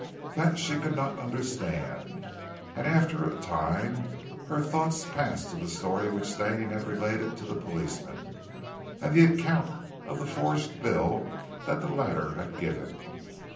That she could not understand, and after a time her thoughts passed to the story which Stane had related to the policeman, and the account of the forged bill that the latter had given.